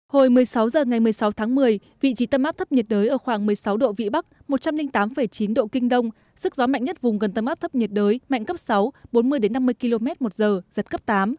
hồi một mươi sáu h ngày một mươi sáu tháng một mươi vị trí tâm áp thấp nhiệt đới ở khoảng một mươi sáu độ vĩ bắc một trăm linh tám chín độ kinh đông sức gió mạnh nhất vùng gần tâm áp thấp nhiệt đới mạnh cấp sáu bốn mươi năm mươi km một giờ giật cấp tám